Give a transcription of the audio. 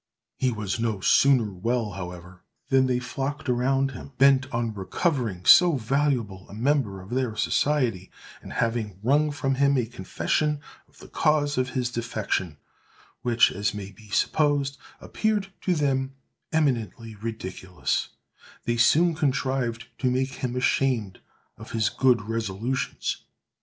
He was no sooner well, however, than they flocked around him, bent on recovering so valuable a member of their society; and having wrung from him a confession of the cause of his defection, which, as may be supposed, appeared to them eminently ridiculous, they soon contrived to make him ashamed of his good resolutions.